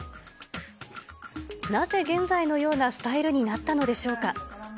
なぜ現在のようなスタイルになったのでしょうか。